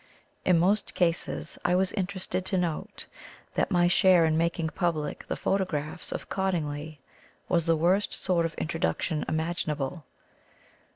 In most cases I was interested to note that my share in making public the photographs of Cottingley was the worst sort of intro duction imaginable.